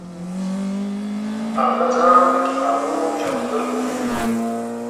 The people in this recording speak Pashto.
هغه ځان د کتابونو جادوګر بولي.